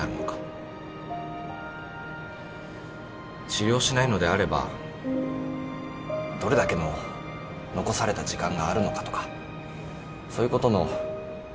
治療しないのであればどれだけの残された時間があるのかとかそういうことの予想がついてしまって。